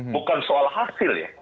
bukan soal hasilnya